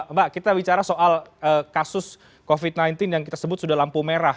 mbak kita bicara soal kasus covid sembilan belas yang kita sebut sudah lampu merah